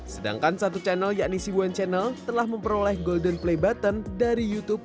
sedangkan satu channel yakni si wan channel telah memperoleh golden play button dari youtube